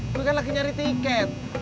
dulu kan lagi nyari tiket